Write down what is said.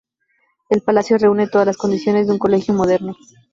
El Palacio reúne todas las condiciones de un colegio moderno.